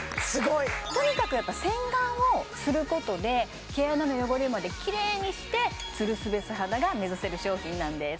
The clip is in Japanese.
とにかくやっぱ洗顔をすることで毛穴の汚れまでキレイにしてツルスベ素肌が目指せる商品なんです